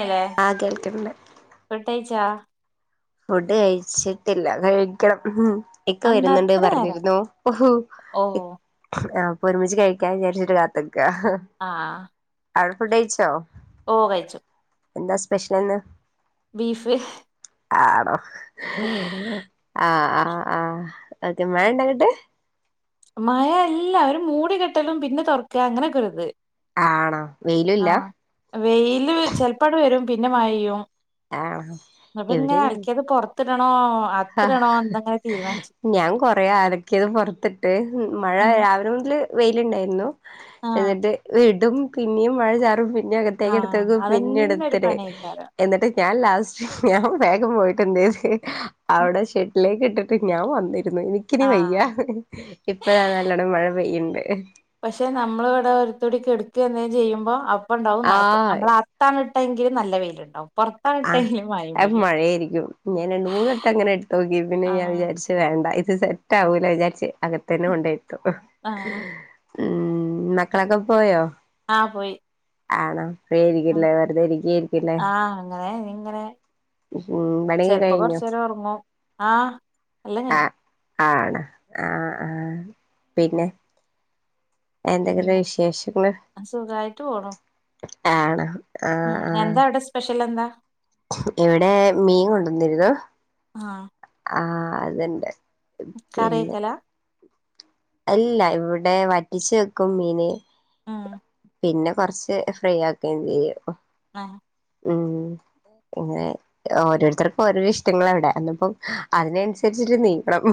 ഏ ആഹ് കേൾക്ക്ണ്ട് ഫുഡ്‌ കഴിച്ചോ ചാ ഫുഡ് കഴിച്ചിട്ടില്ല കഴിക്കണം ഇക്ക അന്താ വരുന്നുണ്ട് അത്ര നേരം പറഞ്ഞിരുന്നു ഓ ആഹ് ഒരുമിച്ച് കഴിക്കാ വിചാരിച്ചിട്ട് കാത്ത് നിന്ന് ക്കാ ആഹ് ആൾ ഫുഡയിച്ചോ ഓ കഴിച്ചു എന്താ സ്പെഷ്യൽ ഇന്ന് ബീഫ് ആണോ [unintelligible] ആഹ് ആഹ് ആഹ് ഓക്കെ മഴ ഉണ്ടോങ്ങട്ട് മഴ അല്ല ഒരു മൂടി കെട്ടലും പിന്നെ തൊറക്കാ അങ്ങനെയൊക്കെ ഒരുത് ആണോ ആ വെയിലുല്ല വെയില് ചെലപ്പാട് വരും പിന്നെ മഴയ്യും ആണോ അപ്പൊ ഇങ്ങനെ അലക്കിയത് പൊറ ത്ത്ക്ക്ണോ ആ ഞാൻ കൊറെ അലക്കിയത് പൊറത്തിട്ട് മഴ ഉം രാവിലെ മുതല്- വെയിലുണ്ടായിരുന്നു ആഹ് എന്നിട്ട് വീട്- അതും പിന്നെയും മഴ ചാറും വീണ്ടും പിന്ന അകത്തേക്ക് ആഹ് എടുത്തുവെക്കും പിന്നെ അതന്നെ ഒരു എടുത്തിടെ പണിയേക്കാരം എന്നിട്ട് ഞാൻ- ലാസ്റ്റ് ഞാൻ വേഗം പോയിട്ട് എന്ത് ചെയ്ത് അവിടെ ഷെഡില് കേട്ടിട്ട് ഞാൻ വന്നിട്ട് എനിക്കിനി വയ്യ ആഹ് ഇപ്പഴാ നല്ലോണം മഴ പെയ്‌ന്ന് ഏഹ് [unintelligible] പക്ഷെ നമ്മള് ഇവിടെ ഒരുത്തോടി എടുക്ക്ന്നെ ചെയ്യുമ്പോ അ- ഇപ്പ ഉണ്ടാവുന്നായപ്പോ ആഹ് നമ്മ അർത്താണ്- എപ്പഴങ്കിലും നല്ല വെയിലുണ്ടാവും ആ പൊറത്താണിട്ടെങ്കിൽ മഴയും എ പെയ്യും മഴയായിരിക്കും ഞാൻ രണ്ടു മൂന്ന് വട്ടം അങ്ങനെ എടുത്ത് നോക്കി പിന്നെ ഞാൻ ആഹ് വിചാരിച്ചു വേണ്ട സെറ്റ് ആവൂല വിചാരിച്ചേ അകത്തന്നെ [unintelligible] കെണ്ടോയിരുത്തും ആഹ് ഉം മക്കളെക്കെ പോയോ ആ പോയി ആണോ ഫ്രീ ഉ ആയിരിക്കില്ലേ വെറുതെ ഇരിക്കായിരിക്കില്ലേ ആ അങ്ങനെ ഇങ്ങനെ ഉം പണിയൊക്കെ ചെലപ്പം കഴിഞ്ഞോ കുറച്ച് നേരം ഉറങ്ങും ആ എല്ലാം കഴിഞ്ഞ് ആഹ് ആണ് ആ ആ പിന്നെ എന്തെങ്കിലും പിന്നെ വിശേഷങ്ങൾ സുഖായിട്ട് പോണു ആണോ ആഹ് ഉം ആഹ് എന്താ അവിടെ സ്പെഷ്യൽ എന്താ ഇവിടെ മീൻ കൊണ്ടുവന്നിരുന്നു ആ അതണ്ട് ആ കറി വെക്കലാ അല്ല ഇവിടെ വറ്റിച്ച് വെക്കും മീന് ഉം പിന്നെ കുറച്ച് ഫ്രൈ ആക്കുകയും ചെയ്യും ആ ഉം ഇങ്ങനെ ഓരോരുത്തർക്കും ഓരോരോ ഇഷ്ടങ്ങള ഇവിടെ അന്നപ്പം അതിനനുസരിച്ചിട്ട് നീക്കണം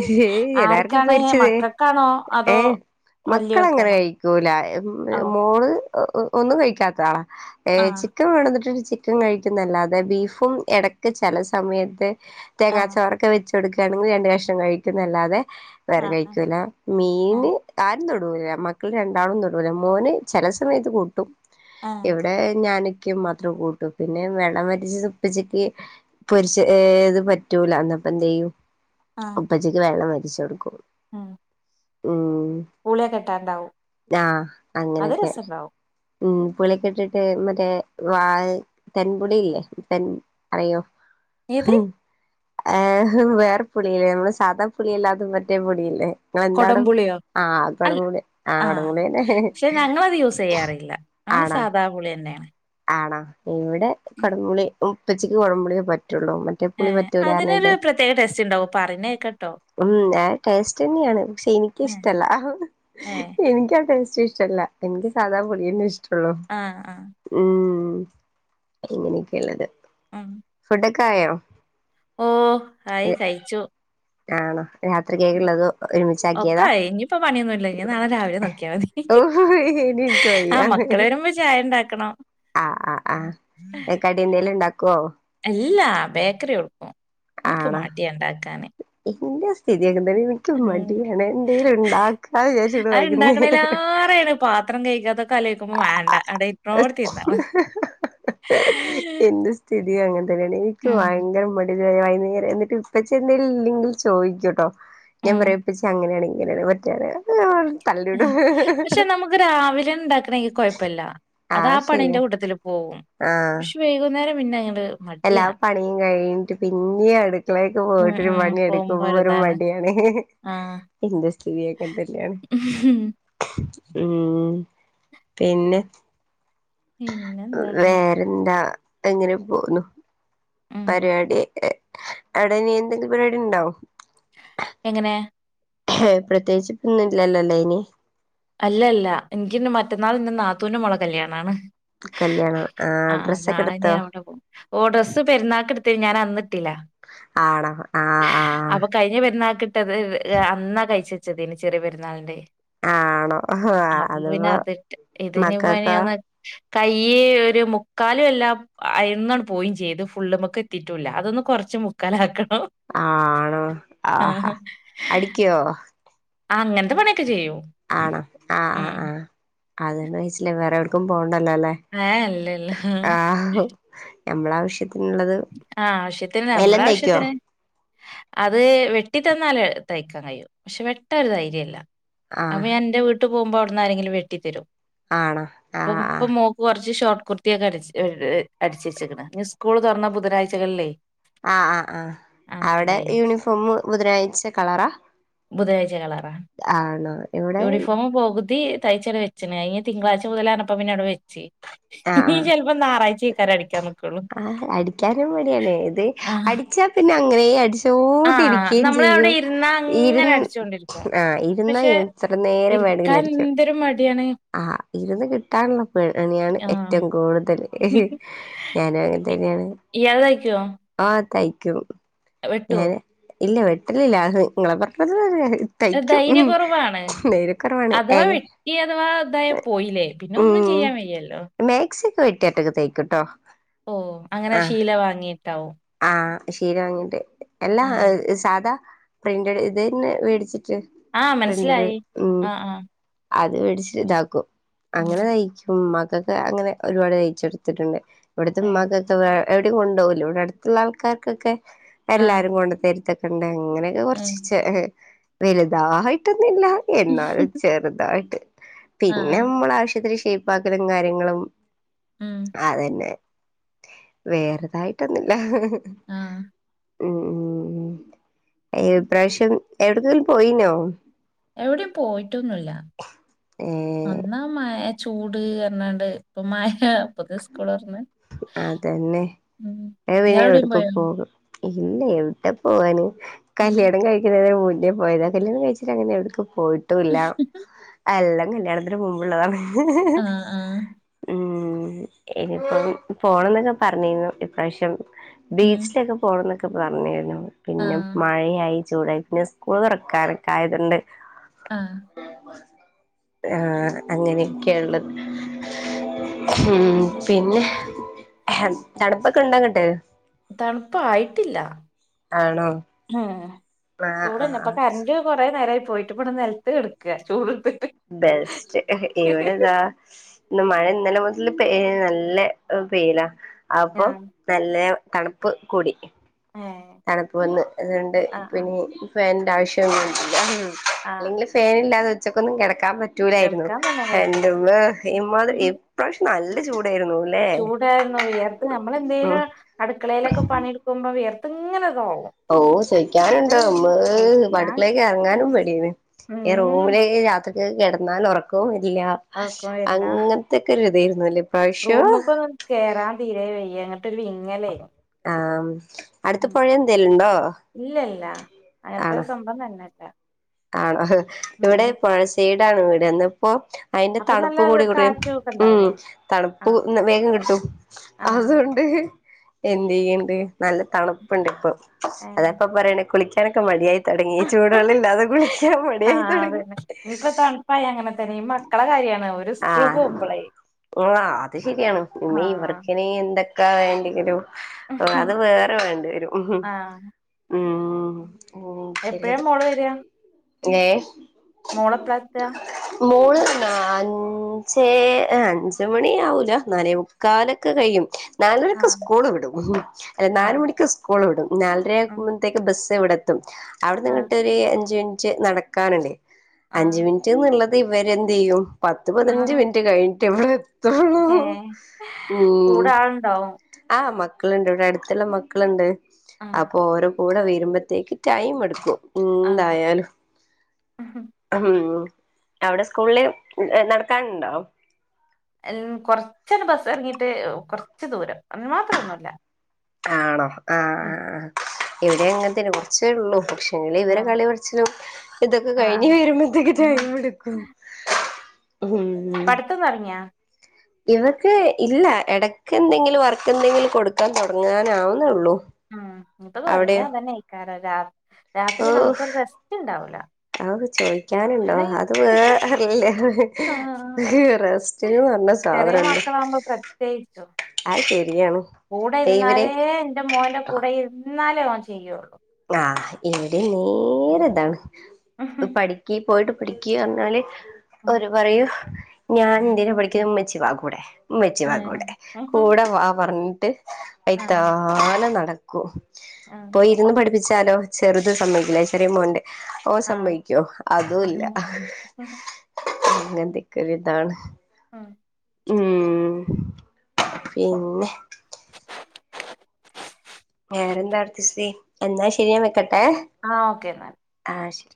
ഉഹ് എല്ലാവർക്കും ആർക്കാണ് പൊരിച്ചത് മക്കക്കാണോ ഏ അതോ മക്കള് അങ്ങനെ വല്യോർക്കാണോ കഴി - ല്ലാ ഓ മോള് ഒന്നും കഴിക്കാത്താളാ ഏ ആഹ് ചിക്കൻ വേണോന്നിട്ടൊര്ച്ചി ചിക്കൻ കഴിക്കും എന്നല്ലാതെ ബീഫും എടക്ക് ചെല സമയത്ത് ആഹ് തേങ്ങാച്ചാർ ഒക്കെ വെച്ച് കൊടുക്കുകയാണെങ്കി രണ്ട് കഷണം കഴിക്കും എന്നല്ലാതെ വേറെ ആഹ് ആഹ് കഴിക്കൂല ആഹ് മീന് ആരും തൊടു മ് മക്ക മക്കൾ രണ്ടാളും തൊടൂല മോന് ചില സമയത്ത് കൂട്ടും ആഹ് ഇവിടെ ഞാൻ മാത്രം കൂട്ടൂ പിന്നെ വെള്ളം വറ്റിച്ചത് ഉപ്പച്ചിക്ക് പൊരിച് ഏ ഇത് പറ്റൂല അന്നപ്പ എന്ത് ചെയ്യും ആഹ് ഉപ്പച്ചിയ്ക്ക് വെള്ളം വെ ഷെടുക്കും ഉം ഉം പൂളിയ കെട്ടാണ്ടാവും ആദ്യം അങ്ങനെക്കെ ഉം പുളിക്കെ ഇട്ടിട്ട് മറ്റേ വാ തെൻ പുഴില്ലേ തെൻ അറിയോ ഏത് വേറെ പുളില്ലേ നമ്മള് സാധാ പുളിയല്ലാത്തതും മറ്റേ പുളിയില്ലേ ആഹ് എന്താണും കൊടംപുളിയോ അൽ ആഹ് [unintelligible] ആഹ് തന്നെ പക്ഷെ ഞങ്ങളത് യൂസെയ്യാറില്ല ഞങ്ങള് സാധാ പുളിയാ ന്നയാണ് ആണാ ഇവിടെ കൊടംപുളി ഉപ്പച്ചിക്ക് കുടമ്പുളിയെ പ റ്റുള്ളൂ മറ്റേ പുളി ഏഹ് അതിനൊരു പറ്റുലന്നർന്നിട്ട് പ്രത്യേക ടേസ്റ്റ് ഉണ്ടാവും പറയണ കേക്കട്ടോ ഉം ആ ടേസ്റ്റ്ന്നെയാണ് പക്ഷെ എനിക്ക്‌ ഏഹ് ഇഷ്ടല്ല ഏഹ് എനിക്കാ ടേസ്റ്റ് ഇഷ്ടല്ല എനിക്ക് സാധാ പൊടിയെന്നെ ഇഷ് ആഹ് ആഹ് ഉം അങ്ങനെക്കൊള്ളത് ഉം ക്കായോ ഓ ആയി കയിച്ചു ആണോ രാത്രി കേക്കുള്ളത് ഒക്കെ ഒരുമിച്ചാക്കിയത ആയി ഇനിയിപ്പോ പണിയൊന്നുല്ല ഇനി നാളെ രാവിലെ നോക്കിയാ മതി [unintelligible] ഇനി എനിക്കയ്യ ആഹ് മക്കള് വരുമ്പോ ചായ ഉണ്ടാക്കണം ആഹ് ആഹ് ആഹ് കടിന്തേലുംണ്ടാ എല്ലാ ബേക്കറി കൊട്ക്കും ൻക്ക് മടിയ ണ്ടാക്കാന് ന്റെ സ് തിയിതൊക്കെതന്നെ ൻക്കും മടിയാണ് എന്തേലുണ്ടാക്കാന്ന് വിരാച്ചിര്ന്ന് അത് വൈകുന്നേര ക്കലോയ്ക്കുമ്പോ വേണ്ട അവിടെ ഇരിക്കാനോടത് ഇരുന്നാ മ തിഅങ്ങൻ ണി ൻക്ക് വയങ്കര മടിയ എ അയ്ന്ന്ങ്ങനെ ന്നിട്ട് ഇപ്പച്ചെന്തേലും ഇല്ലെങ്കിൽ ചോയ്ക്കൂട്ടോ ഞാൻ ഉം പറയാ ഇപ്പച്ച്യേ അങ്ങനെയാണ് ഇങ്ങനെയാണ് മറ്റാണ് പക്ഷെ നമുക്ക് രാവിലെം ണ്ടാക്കണെങ്കില് കൊഴപ്പല്ല അതാ ആഹ് ആ പണിന്റെ ശരിയാ കൂട്ടത്തില് പോവും ആഹ് പക്ഷെ വൈകുന്നേരം പിന്നെങ്ങട് എല്ലാ പണിയും കഴിഞ്ഞിട്ട് പിന്നിം അടുക്കളേക്ക് ഉം പോയിട്ടൊരു ഉം പോകുമ്പോ പണിയെടുക്കുമ്പോ ഒരു ഒരിതാണ് മടിയാണ് ആഹ് ന്റെ സ് ശരിയക്കെ തന്നെയാണ് ഉം പിന്നെ പിന്നെന്താ വേറെന്താ എങ്ങനെ പോവുന്നു ഉം പര്പാടി എ അവിടെ ഇനി എന്തെങ്കി പരിപാടി ണ്ടോ എങ്ങനെ പ്രത്യേകിച്ച്പ്പൊന്നും ഇല്ലല്ലല്ലേ ഇനി അല്ല അല്ല ൻക്കിഞ്ഞ് മറ്റന്നാൾ ഇന്ന നാത്തൂന്റെ മോളെ കല്യാണണ് കല്യാണം ആ ഡ്രസ്സൊക്കെ നാളന എടുത്തോ അവടെ പോ ഓ ഡ്രസ്സ് പെരുന്നാക്കട്ത്ത് ഞാൻ അന്നിട്ടിലാ ആണോ ആ ആ അപ്പൊ കഴിഞ്ഞ പെരുന്നാക്ക്ട്ടത് അന്നാ കഴിച്ച ചെറിന് ചെറിയ പെര്ന്നാളിന്റെ ആണോ ഹ വ അതിപ്പോ അതിട്ട് ഇതിനിപ്പ ഇനി മക്കക്കാേ ഒന്ന് കയ്യ് ഒര് മുക്കാലു അല്ലാ അയ്ന്നാ ണ്ട് പോയിം ചെയ്ത് ഫുള്ള്മക്കെത്തിട്ടൂല്ല അതൊന്ന് കൊറച്ച് മുക്കാലാക്ക ആണോ ആഹാ അടിക്ക്യാേ ആ അങ്ങൻത്തെ പണിയൊക്കെ ചെയ്യൂ ആണോ ആ ആ ആ അതെന്നയ്ച്ച്ലച്ചയ് വേറെ എവിടെക്കും പോ ണ്ടല്ലോല്ലേ ഏഹ് ഇല്ല ഇല്ല ആ നമ്മളെ ആവശ്യ ആ ആവശ്യത്തിന് നമ്മളെ തയ്ക്കോ ആവശ്യത്തിന് അത് വെട്ടി തന്നാല് തയ്ക്കാൻ കയ്യും പക്ഷെ വെട്ടാൻ ഒര് ധൈര്യല്ല അപ്പ ആഹ് ഞാൻ ന്റെ വ് ട്ട പോകുമോവിടന്നാരങ്കും വെട്ടി തരും ആണോ ആഹ ആഹ ഷോട്ട് കുർതി അടിച് [unintelligible] അടിച്ചുവെച്ച്ക്ണ് സ്കൂള് തോറന്നാൽ ബുധലാഴ്ചകളല്ലേ ആഹ ആ ആ അവിടെ യൂണിഫോമ ബുധനാഴ്ച കളറാ ബുധനാഴ്ച കളറാ ആണോ ഇവിടെ തയ്ച്ചട വെച്ചന് അഞ്ഞ് തിങ്കളാഴ്ച മുതല ഇപ്പം പിന്നെ അവിടെ വെച്ച് ആഹ് നീ ആഹ് ചിലപ്പോ ഞായറാഴ്ച കേക്കാര അടിക്കാൻ നിക്കുള്ളു [unintelligible] അടിച്ചാൽ പിന്നെ അ അങ്ങനെ അടി ആഹ നമ്മൾ അവിടെ ഇരുന്നാ അങ്ങനെ ഇരുന്ന് അടിച്ചുൊണ്ടിരിക്കും ആഹ് ഇരുന്നാ പക്ഷെ എത്ര നേരം വേണമെങ്കിലും ഇരിക്കാൻ അടിക്കും എന്തൊരു മടിയാണ് ആഹ് ഇരുന്ന് കിട്ടാാനു ണിയാണ് ആഹ് ഏറ്റവും കൂടുതൽ ഞാനും അങ്ങനെ തന്നെയാണ് ആ തൈ ക്യ വെട്ടോ ഇല്ല വെട്ടലില്ല അ നിങ്ങളെ പറഞ്ഞ ത് പോലെണ് ധൈര്യ കുറവാണ് ധൈര്യക്കുറവാണ് അഥവാ ഏക വെട്ടി അഥവാ അതായ പോയില്ലേ പിന്നെ ഒന്നും ചെയ്യാൻ വയ്യല്ലോ വീട്ടറ്റക്കെ തൈക്കും ട്ടോ ഓ അങ്ങനെ ശീല വാങ്ങിട്ടാവും അ ഷീല വാങ്ങിട്ട് എല്ലാ ഏഹ് സാദാ പ്രിന്റഡ് ഇതന്നെ മേടിച്ചിട്ട് ആ പ്രിന്റഡ് മനസ്സിലായി ഉം അ അ അത് മേടിച്ചിട്ട് ഇതാക്കും അങ്ങനെ തയിക്കും മ ക്കക് അങ്ങനെ ഒരുപാട് തയിച്ചെടുത്തിട്ടുണ്ട് ഇവിടുത്തെ ഏഹ് ഇമ്മക്കാകെ വെ എവിഡിം കൊണ്ടപോകുല ഇടെ അടുത്ത് ള്ള ആൾക്കാർക്കൊക്കെ ആഹ് എല്ലാരും കൊണ്ടുതരുത്ത ഉണ്ട അങ്ങനെയൊക്കെ ഏഹ് കൊറച്ചീച്ചേ വലതായിട്ടൊന്നും ഇല്ല എന്നാലും ചെറുതായിട്ട് പിന്നെ ആഹ് നമ്മള ആവശ്യത്തിന് സ് ഷൈപ്പാക്കലും കാര്യങ്ങളും ഉം അതന്നെ. വേറതായിട്ടന്നും ല് ല്ല. ആഹ് ഉം ഉം ഇപ്രാവശ്യം എവിടെക്കെങ്കിലും പോയിനോ? എവിടിം പോയിട്ടൊന്നുല്ല ഏ അന്നാ മഴത് ചൂട് പറഞ്ഞണ്ട് ഇപ്പ മഴ അപ്പൊക് സ്കൂൾ തൊറന്ന് അതന്നെ ഉം ഞാൻ പിന്നെ ഇയാളെവിടെയും എവിടക്ക് പോയ? പോകും ഇല്ല എവിടെ പോവാന്? ഉം. കല്യാണം കഴിക്കുന്നതിന്റെ മുൻ [unintelligible] കല്യാണം കയിച്ചാരെ അങ്ങനെ എവിട്ക്കും പോയിട്ടൂല്ല അല്ല കല്യാണത്തിന് മുൻപുള്ളതാണ്. ആ ആ ഉം ഉം ഇനിപ്പം പോണം എന്നൊക്കെ പറഞ്ഞിരുന്നു ഇപ്രാവശ്യം ഉം ബീച്ചിലൊക്കെ പോണംന്നൊക്ക പറഞ്ഞായിരുന്നു. ആ പിന്നെ മഴയായി. ചൂടായി പിന്നെ സ്കൂൾ തുറക്കാനൊക്കെ ആയതൊണ്ട് ആഹ് ആഹ് അങ്ങനെയൊക്കെയ ഉള്ളത്. ഉം. പിന്നെ തണുപ്പൊക്കെ ഉണ്ടങ്ങട്ട്? തണുപ്പായിട്ടില്ല. ആണോ ഉം. ആഹ് ചൂടെന്നെ ആഹ് ഇപ്പൊ ആഹ് കറന്റ് കൊറേ നേരായി പോയിട്ട് ഇവിട നിലത്ത് കിടക്ക ചൂടുട്ത്ത് ബെസ്റ്റ് ഇവിടെതാ ഇന്ന് മഴ ഇന്നലെ മുതൽ നല്ല വെയ്ല. അപ്പൊ ആ നല്ല തണുപ്പ് കൂടി. ഏ തണുപ്പ് വന്ന് അതുകൊണ്ട് ആ ആ പിന്നെ ഫാന് ആവശ്യൊന്നില്ല. ആ അല്ലെങ്കിൽ ഫാൻ ഇല്ലാതെ ച്ചക്കൊന്നും കടക്കാൻപ റ്റൂലാരുന്നു എടുക്കാൻ തന്നെ കഴിയൂല എന്റുമ്മ ഇമ്മ ഇപശ്യം നല്ല [unintelligible] ല്ലേ ചൂടാരുന്നു വിയർത്ത് ഉം നമ്മളെന്തേലും അടുക്കളയിലൊക്കെ പണിയെടുക്കുമ്പോ വിയ ഓ ചോയ്ക്കാനുണ്ടോ അത് ഇമ്മേ സഹിക്കാൻ ഇപ്പട്ക്കളേക്ക് എറങ്ങാനും പേടിയേന്ന് ഈ ഉം റൂമിലേ [unintelligible] ത്രി [unintelligible] കെടന്നാൽ ഒറക്കവും വ ല്ല ഒറക്കം വരില്ല അങ്ങനത്തക്കെ ഒരിതേര്ന്നുലേ ഇപ്രാവശ്യം റൂമ്ക്കൊന്നും കേറാൻ തീരെ വയ്യ ഇങ്ങട്ടൊരു വിങ്ങലേനു ആഹ് അടുത്ത് പുഴയെന്തെലുണ്ടോ ല്ല അങ്ങനത്തെരു സംഭം തന്നെല്ല ആണോ ഇവിടെ ഉം പൊഴസെ [unintelligible] വീടെന്നപ്പോ അയിന്റെ അപ്പൊ നല്ല തണുപ്പും കൂടി കുടി കാറ്റും ഒക്കെ ഉം ഉണ്ടാവൂലേ തണുപ്പ് ആഹ് വേഗം കിട്ടും ആഹ് അതുകൊണ്ട് എന്ത് ചെയ്യ്ണ്ട് നല്ല തണുപ്പ്ണ്ട് ഇപ്പം ഏഹ് അതാപ്പ പറയ്ണ് കുളിക് എനക്ക് മടിയായ് തൊടങ്ങി ചൂട് വെള്ളല്ലാതെ കുളിക്കാൻ മടിയായി തൊടങ്ങി തന്നേ ഈ മക്കളെ കാര്യാ ആഹ് [unintelligible] അത് ശരിയാണ് ഇമ്മേ ആഹ് ഇവർക്കിനി എന്തെ ക്കാ വേണ്ടങ്ങിലും ഓ അത് വേറെ വേണ്ടി വരും ഉഹും ആഹ് ഉം ഉം എപ്പഴാ മോള് വരാ? ഞ്ഞെ മോളെപ്ലാഎത്താ മോള് ന്നാ അൻ അഞ്ചേ അഞ്ചുമണി ആവൂല നാലേമുക്കാലൊക്കെ കഴിയും നാലരക്ക് ആഹ് സ്കൂള് വിടും അല്ല ആഹ് നാലുമണിക്ക് സ്കൂള് വിടും നാലര ഉം ആകുംമ്പത്തേക്ക് ബസ് ദിവിടെത്തും ആഹ് അവിന്ന്ങ്ങട്ടൊര് അഞ്ചിൻ റ്റ് നടക്കാന്ണ്ടെ അഞ്ച് ആഹ് മിനിറ്റ്ന്ന്ള്ളത് ഇവര് എന്ത്‌ ചെയ്യും പത് പത്ത് പതിനഞ്ച് ആഹ് മിനിറ്റ് കഴി ട്ടിവിള് ഏഹ് ഉം കൂടെ ആളുണ്ടാവും ആ മ ക്കളിണ്ട് ഇവിടെ അടുത്തിള്ള മക്കളിണ്ട്. ആഹ് അപ്പൊ ഓരോ [unintelligible] വരുമ്പത്തേക്ക് ടൈം എടുക്കും ആഹ് ഇന്തായാലും ഉം അം അവിടെ സ്കൂളില് ഇ ഇം നട ക്കണ്ടൊ എൻ കൊറച്ചന ബസ് ഇറങ്ങിട്ട് കൊറച്ച് ദൂരം അതിന് മാത്രം ഒന്നു ഇല്ല ആണോ ആഹ് ഇവിടെ അങ്ങനത്തെനെ കുറച്ചേ ഉള്ളൂ പക്ഷെങ്കില് ഇവരെ ആഹ് കളികൊർച്ച്‌ ഇതൊക്കെ കഴിഞ്ഞു ആഹ് വരുമ്പോഴത്തേക്ക് ഉം ടൈം എടുക്കും. പഠിത്തം തുടങ്ങിയാ? ഇവക്ക് ഇല്ല ഇടക്ക് എന്തെങ്കിലും വർക്ക് എന്തെങ്കിലും കൊടുക്കാൻ തുടങ്ങാനാവുന്നേഉള്ളൂ ഇം ഇട്ട് തുടങ്ങിയാ അതന്നെ [unintelligible] രാ രാത്രി നമുക്കൊരു റെസ്റ്റ് ഇണ്ടാവൂല അത് ചോയ്ക്കാനിണ്ടോ ഹയ് അത് വേറല്ല ആഹ് റെസ്റ്റ്ന്ന് പറഞ്ഞ ചെറിയ സാധനിണ്ടോ മക്കളാവുമ്പോ പ്രത്യേകിച്ചും കൂടെ ഇവര് ഇരുന്നാലേ എന്റെ മോന്റെ കൂടെ ഇര്ന്ന് എന്നാലേ ഓൻ ചെയ്യൊള്ളൂ ആ ഇവിടെനി നേരെ ഇതാണ് ആഹ് പഠിക്ക് പോയിട്ട് പഠിക്കുക എന്നർഞ്ഞാല് ഓര് പറയും ഞാൻ എന്തിനാ പഠിക്കുന്ന ഉമ്മച്ചി വ കൂടെ ഉമ്മച്ചിവാ കൂടെ ആഹ് കൂടെ വാ പറഞ് ആഹ് വയ്ത്താലെ നടക് ക്കു പോയി ഇരുന്ന് പഠി പ്പിച്ചാലോ ചെറുത് സമ്മതിക്കൂല്ല ചെറിയ മോൻണ്ട് ഓൻ ആഹ് സമ്മതിക്കോ അതൂല്ല അങ്ങനെന്തൊക്ക ഒരു ഇതാണ് ആ ഊം പിന്നെ വേറെന്താ അടുത്തശ്രീ എന്നാ ശരി ഞാൻ വെക്ക ങേ ഓക്കെ എന്നാല് ആ ശരി